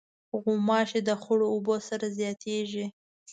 غوماشې د خړو اوبو سره زیاتیږي.